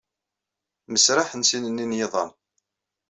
Mmesraḥen sin-nni n yiḍan.